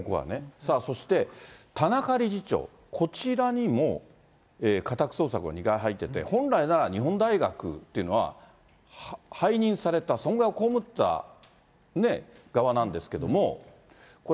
さあそして、田中理事長、こちらにも、家宅捜索が２回入っていて、本来なら日本大学というのは、背任された損害を被ったね、側なんですけども。